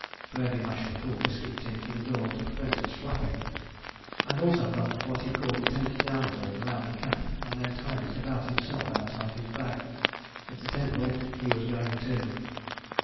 Birdie lashed the full biscuit tin to the door to prevent its flapping, and also got what he called the tent downhaul round the cap and then tied it about himself outside his bag: if the tent went he was going too.